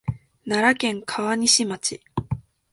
奈良県川西町